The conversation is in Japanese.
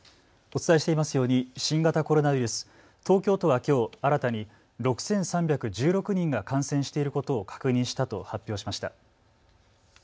お伝えしていますように新型コロナウイルス、東京都はきょう新たに６３１６人が感染していることを確認したと発表しました。